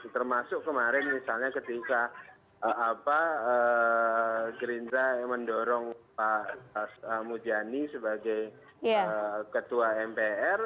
termasuk kemarin misalnya ketika gerindra mendorong pak mujani sebagai ketua mpr